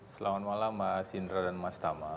selamat malam mas indra dan mas tama